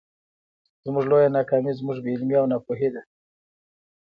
زموږ لويه ناکامي زموږ بې علمي او ناپوهي ده.